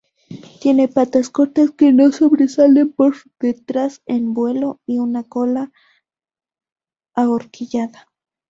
Tiene patas cortas, que no sobresalen por detrás en vuelo, y una cola ahorquillada.